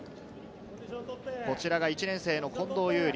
こちらが１年生の近藤侑璃。